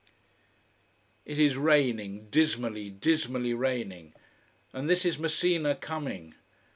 It is raining dismally, dismally raining. And this is Messina coming.